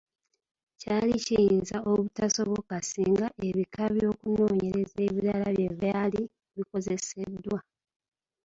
Kyali kiyinza obutasoboka singa ebika by’okunoonyereza ebirala bye byali bikozeseddwa.